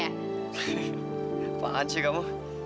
apaan sih kamu